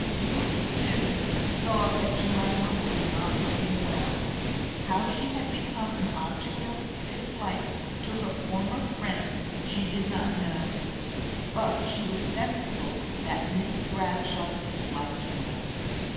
Ruth, too, saw that Jemima was not looking well. How she had become an object of dislike to her former friend she did not know; but she was sensible that Miss Bradshaw disliked her now.